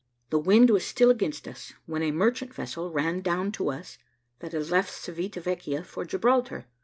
The wind was still against us, when a merchant vessel ran down to us, that had left Civita Vecchia for Gibraltar.